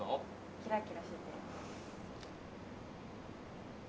キラキラしてて。